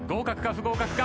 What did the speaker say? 不合格か？